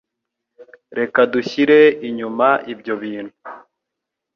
Reka dushyire inyuma ibyo bintu.